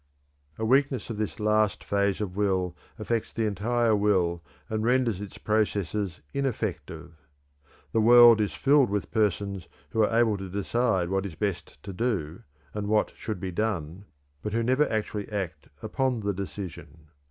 A weakness of this last phase of will affects the entire will and renders its processes ineffective. The world is filled with persons who are able to decide what is best to do, and what should be done, but who never actually act upon the decision.